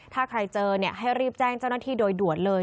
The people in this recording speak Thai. ถ้าใครเจอให้รีบแจ้งเจ้าหน้าที่โดยด่วนเลย